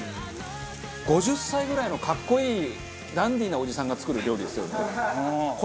５０歳ぐらいの格好いいダンディーなおじさんが作る料理ですよね。